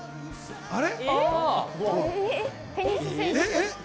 あれ。